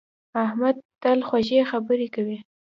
احمد تل خوږې خبرې کوي.